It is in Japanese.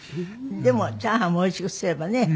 でもチャーハンもおいしく作ればね。